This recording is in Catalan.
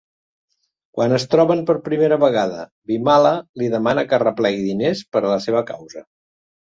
Quan es troben per primera vegada, Bimala li demana que arreplegui diners per a la seva causa.